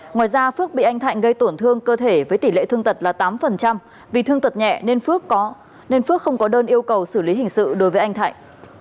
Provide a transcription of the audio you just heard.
ngoài ra phước bị anh thạnh gây tổn thương cơ thể với tỷ lệ thương tật là tám vì thương tật nhẹ nên phước có nên phước không có đơn yêu cầu xử lý hình sự đối với anh thạnh